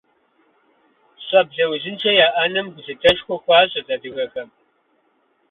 Щӏэблэ узыншэ яӏэным гулъытэшхуэ хуащӏырт адыгэхэм.